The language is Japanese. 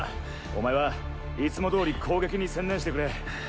お前はいつも通り攻撃に専念してくれ。